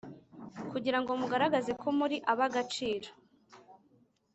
kugira ngo mugaragaze ko muri abagaciro